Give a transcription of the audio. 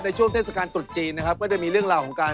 ช่วงเทศกาลตรุษจีนนะครับก็จะมีเรื่องราวของการ